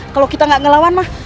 kalau kita gak ngelawan mah